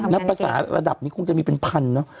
แล้วภาษาระดับนี้คงจะมีเป็นพันเนอะ